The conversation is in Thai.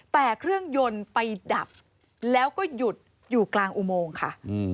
แต่เครื่องยนต์ไปดับแล้วก็หยุดอยู่กลางอุโมงค่ะ